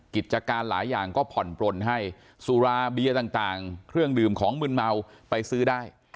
กิจการหลายอย่างก็ผ่อนปลนให้สุราเบียต่างเครื่องดื่มของมืนเมาไปซื้อได้